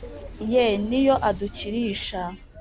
Ye ni yo adukirisha